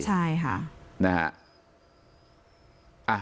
ใช่ค่ะ